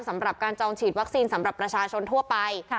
สำหรับการจองฉีดวัคซีนสำหรับประชาชนทั่วไป